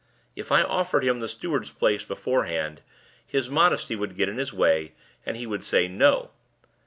If I offered him the steward's place beforehand, his modesty would get in his way, and he would say 'No.